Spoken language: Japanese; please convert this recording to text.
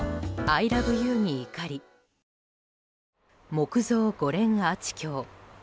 木造５連アーチ橋。